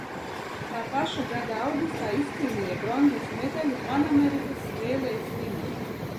Tā paša gada augustā izcīnīja bronzas medaļu Panamerikas spēlēs Limā.